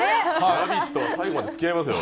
「ラヴィット！」は最後までつきあいますよ。